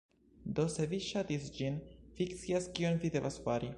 Do se vi ŝatis ĝin, vi scias kion vi devas fari